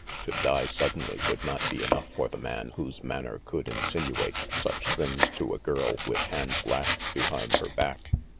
To die suddenly would not be enough for the man whose manner could insinuate such things to a girl with hands lashed behind her back.